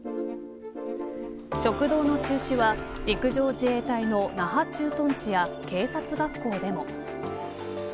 食堂の中止は陸上自衛隊の那覇駐屯地や警察学校でも。